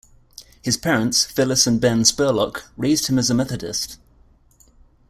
His parents, Phyllis and Ben Spurlock, raised him as a Methodist.